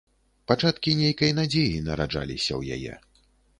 Пачаткі нейкай надзеі нараджаліся ў яе.